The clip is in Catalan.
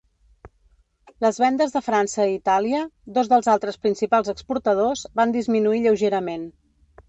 Les vendes de França i Itàlia, dos dels altres principals exportadors, van disminuir lleugerament.